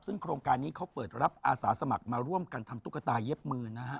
ซึ่งโครงการนี้เขาเปิดรับอาสาสมัครมาร่วมกันทำตุ๊กตาเย็บมือนะฮะ